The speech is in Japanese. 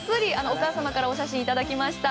お母様からお写真いただきました。